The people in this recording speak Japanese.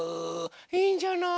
いいんじゃない？